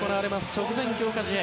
直前強化試合